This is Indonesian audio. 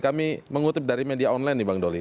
kami mengutip dari media online nih bang doli